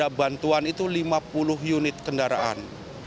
ada bantuan itu lima puluh unit kendaraan